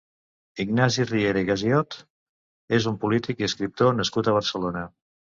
Ignasi Riera i Gassiot és un polític i escriptor nascut a Barcelona.